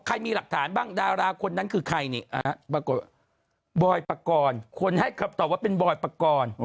ใครมีหลักฐานบ้างดาราคนนั้นคือใครนี่บอยปรากรคนให้คำตอบว่าเป็นบอยปรากร